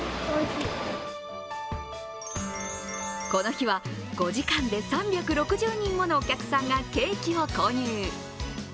この日は、５時間で３６０人ものお客さんがケーキを購入。